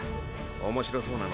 面白そうなの。